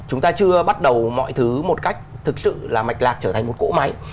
chúng ta chưa bắt đầu mọi thứ một cách thực sự là mạch lạc trở thành một cỗ máy